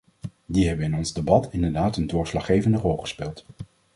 Die hebben in ons debat inderdaad een doorslaggevende rol gespeeld.